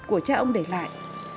của cha ông để lại